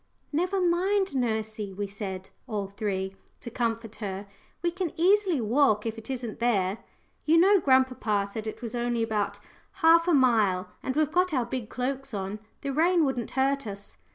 "Never mind, nursey," we said, all three, to comfort her; "we can easily walk if it isn't there. You know grandpapa said it was only about half a mile, and we've got our big cloaks on the rain wouldn't hurt us."